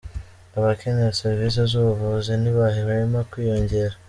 Abakenera serivisi z’ubuvuzi ntibahwema kwiyongera